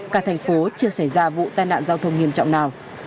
cả thành phố chưa xảy ra vụ tai nạn giao thông nghiêm trọng nào